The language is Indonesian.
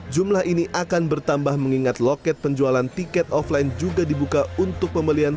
jumlah ini akan bertambah mengingat loket penjualan tiket offline juga dibuka untuk pembelian